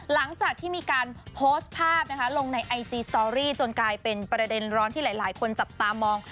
หลังจากที่มีการโพสต์ภาพนะคะลงในไอจีสตอรี่จนกลายเป็นประเด็นร้อนที่หลายคนจับตามอง